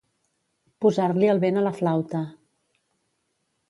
Posar-li el vent a la flauta.